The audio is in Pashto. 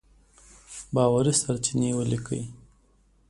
باوري سرچينې وليکئ!.